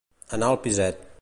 Anar al piset.